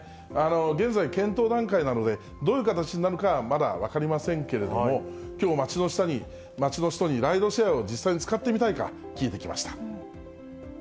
現在、検討段階なので、どういう形になるかはまだ分かりませんけれども、きょう、街の人にライドシェアを実際に使ってみたいか聞いてきました。